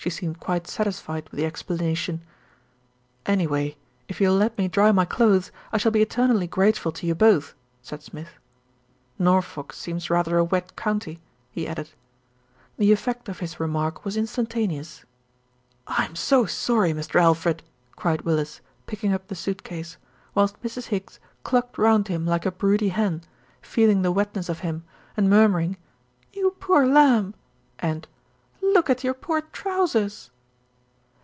She seemed quite satisfied with the explanation. "Anyway, if you will let me dry my clothes, I shall be eternally grateful to you both," said Smith. "Nor folk seems rather a wet county," he added. The effect of his remark was instantaneous. "I'm so sorry, Mr. Alfred," cried Willis, picking up the suit case, whilst Mrs. Higgs clucked round him like a broody hen, feeling the wetness of him and murmur 38 THE RETURN OF ALFRED ing "you poor lamb" and "look at your poor trousers."